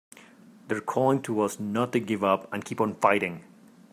They're calling to us not to give up and to keep on fighting!